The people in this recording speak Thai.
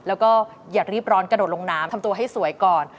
แล้วก็อย่ารีบร้อนกระโดดลงน้ำทำตัวให้สวยก่อน